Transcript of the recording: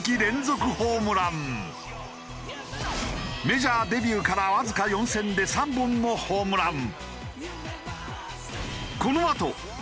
メジャーデビューからわずか４戦で３本のホームラン。